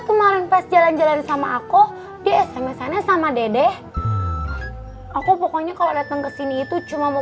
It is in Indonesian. kemarin pas jalan jalan sama aku dia sms sana sama dedek aku pokoknya kalau datang ke sini itu cuma mau